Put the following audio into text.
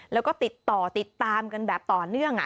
แล้วก็ติดต่อติดตามกันแบบต่อเนื่อง